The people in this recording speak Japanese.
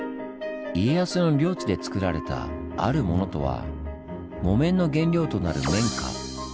家康の領地でつくられた「あるモノ」とは木綿の原料となる綿花。